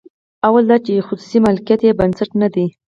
لومړی دا چې خصوصي مالکیت یې بنسټ نه دی.